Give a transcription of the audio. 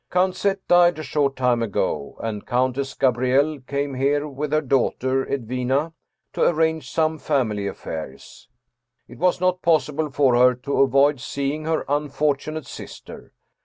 Count Z. died a short time ago, and Countess Gabrielle came here with her daugh ter Edwina to arrange some % family affairs. It was not possible for her to avoid seeing her unfortunate sister.